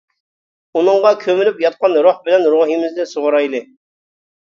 ئۇنىڭغا كۆمۈلۈپ ياتقان روھ بىلەن روھىمىزنى سۇغۇرايلى.